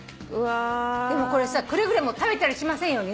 でもこれさくれぐれも食べたりしませんようにね。